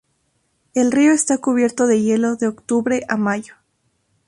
El río está cubierto de hielo de octubre a mayo.